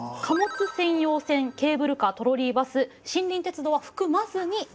貨物専用線ケーブルカートロリーバス森林鉄道は含まずに。